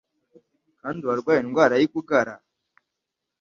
Kandi uwarwaye indwara yi gugara